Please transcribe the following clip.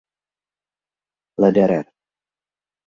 Lederer.